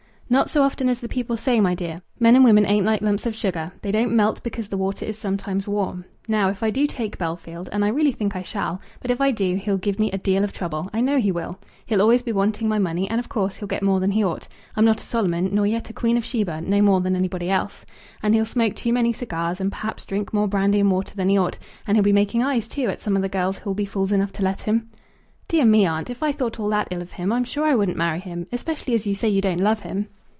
"Not so often as the people say, my dear. Men and women ain't like lumps of sugar. They don't melt because the water is sometimes warm. Now, if I do take Bellfield, and I really think I shall; but if I do he'll give me a deal of trouble. I know he will. He'll always be wanting my money, and, of course, he'll get more than he ought. I'm not a Solomon, nor yet a Queen of Sheba, no more than anybody else. And he'll smoke too many cigars, and perhaps drink more brandy and water than he ought. And he'll be making eyes, too, at some of the girls who'll be fools enough to let him." "Dear me, aunt, if I thought all that ill of him, I'm sure I wouldn't marry him; especially as you say you don't love him."